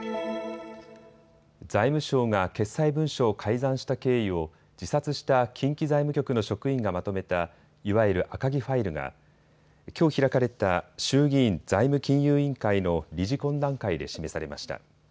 財務省が決裁文書を改ざんした経緯を自殺した近畿財務局の職員がまとめたいわゆる赤木ファイルがきょう開かれた衆議院財務金融委員会の理事懇談会で示されました。